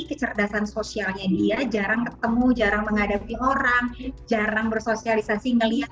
kecerdasan sosialnya dia jarang ketemu jarang menghadapi orang jarang bersosialisasi melihat